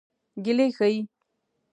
ګیلې ښيي.